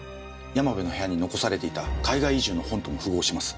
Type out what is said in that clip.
山部の部屋に残されていた海外移住の本とも符合します。